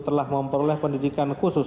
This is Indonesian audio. telah memperoleh pendidikan khusus